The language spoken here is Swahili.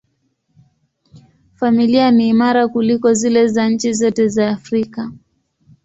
Familia ni imara kuliko zile za nchi zote za Afrika.